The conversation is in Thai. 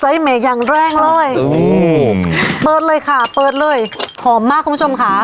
เมฆอย่างแรงเลยเปิดเลยค่ะเปิดเลยหอมมากคุณผู้ชมค่ะ